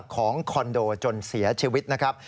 คอนโดจนเสียชีวิตนะครับ